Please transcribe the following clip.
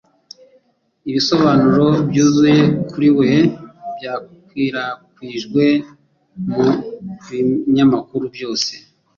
Ibisobanuro byuzuye kuri we byakwirakwijwe mu binyamakuru byose.